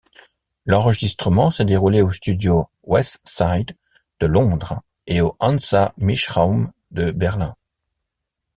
L'enregistrement s'est déroulé au studio Westside de Londres et au Hansa Mischraum de Berlin.